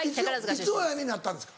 いつお辞めになったんですか？